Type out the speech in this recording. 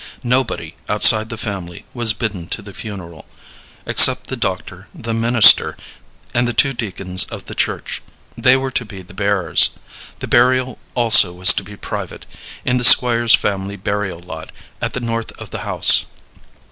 Nobody, outside the family, was bidden to the funeral, except the doctor, the minister, and the two deacons of the church. They were to be the bearers. The burial also was to be private, in the Squire's family burial lot, at the north of the house.